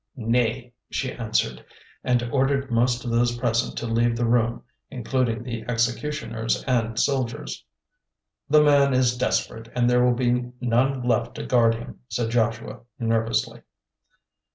"Nay," she answered, and ordered most of those present to leave the room, including the executioners and soldiers. "The man is desperate, and there will be none left to guard him," said Joshua nervously.